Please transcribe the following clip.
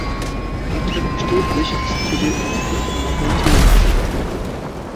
Patrick Steglich ist zudem als Buchautor tätig.